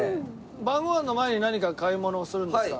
晩ご飯の前に何か買い物をするんですか？